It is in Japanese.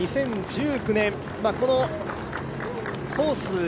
２０１９年、このコース